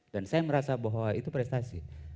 dan saya merasa bahwa itu prestasi